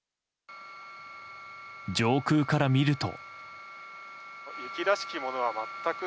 上空から見ると。